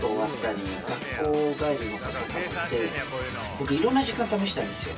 僕いろんな時間試したんですよ。